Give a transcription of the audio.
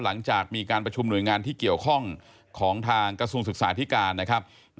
หลังจากมีการประชุมหน่วยงานที่เกี่ยวข้องของทางกระทรวงศึกษาธิการนะครับ